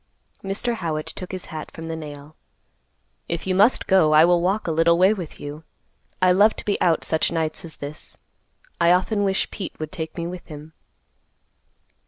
Mr. Howitt took his hat from the nail. "If you must go, I will walk a little way with you. I love to be out such nights as this. I often wish Pete would take me with him."